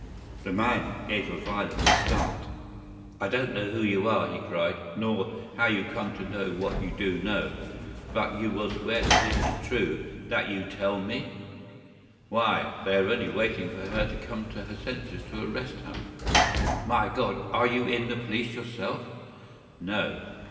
The man gave a violent start. "I don't know who you are," he cried, "nor how you come to know what you do know, but will you swear that this is true that you tell me?" "Why, they are only waiting for her to come to her senses to arrest her." "My God! Are you in the police yourself?" "No."